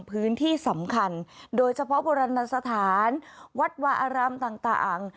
พื้นที่สำคัญโดยเฉพาะโบราณสถานวัดวาอารามต่าง